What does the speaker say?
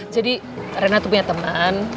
jadi rena itu punya teman